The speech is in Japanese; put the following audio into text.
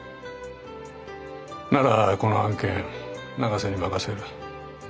ならこの案件永瀬に任せる。